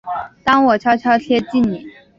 当我悄悄贴近你